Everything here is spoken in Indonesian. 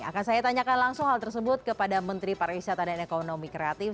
akan saya tanyakan langsung hal tersebut kepada menteri pariwisata dan ekonomi kreatif